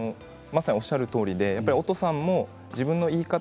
まさにおっしゃるとおりでおとさんも自分の言い方